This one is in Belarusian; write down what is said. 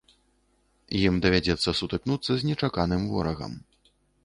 Ім давядзецца сутыкнуцца з нечаканым ворагам.